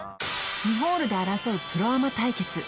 ２ホールで争うプロアマ対決